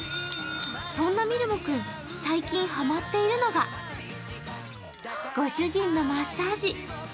そんなみるも君、最近ハマっているのがご主人のマッサージ。